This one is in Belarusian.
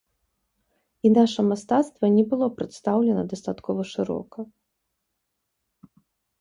І наша мастацтва не было прадстаўлена дастаткова шырока.